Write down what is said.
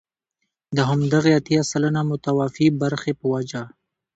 د همدغې اتيا سلنه متوفي برخې په وجه.